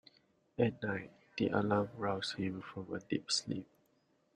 At night the alarm roused him from a deep sleep.